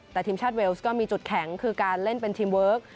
แต่ทีมชาติเวลส์ก็มีจุดแข็งคือการเล่นเป็นทีมเวิร์ค